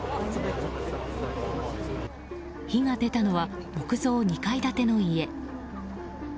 火が出たのは木造２階建ての家。